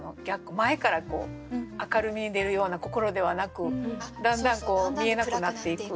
前から明るみに出るような心ではなくだんだん見えなくなっていく。